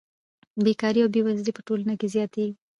بېکاري او بېوزلي په ټولنه کې زیاتېږي